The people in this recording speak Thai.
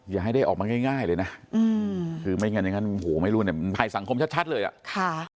อย่าให้ได้ออกมาง่ายเลยนะคือไม่อย่างนั้นโหไม่รู้เนี่ยมันถ่ายสังคมชัดเลยอะ